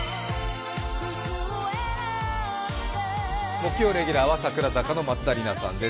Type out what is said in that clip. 木曜レギュラーは櫻坂の松田里奈さんです。